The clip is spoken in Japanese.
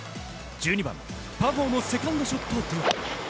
１２番、パー４のセカンドショットでは。